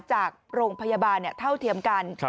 จากโรงพยาบาลเท่าเทียมกัน